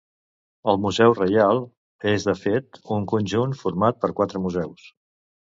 El Museu Reial és, de fet, un conjunt format per quatre museus.